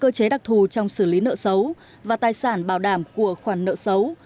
cơ chế đặc thù trong xử lý nợ xấu và tài sản bảo đảm của khoản nợ xấu